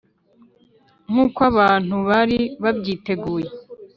nkuko abantu bari babyiteguye,